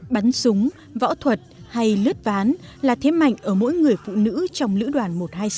bắn súng võ thuật hay lướt ván là thế mạnh ở mỗi người phụ nữ trong lữ đoàn một trăm hai mươi sáu